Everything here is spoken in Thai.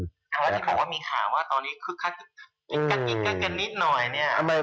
แต่ว่าที่ผมก็มีข่าวว่าตอนนี้คือค่าที่กิ๊กกันกันนิดหน่อยเนี่ย